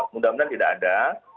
mudah mudahan tidak ada